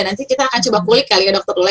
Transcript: nanti kita akan coba kulik kali ya dokter lula